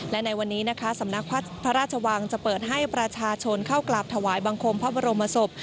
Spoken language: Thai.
และในวันนี้นะคะสำนักพระราชวังจะเปิดให้ประชาชนเข้ากราบถวายบังคมพระบรมศพ